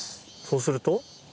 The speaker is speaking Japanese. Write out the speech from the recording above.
そうすると？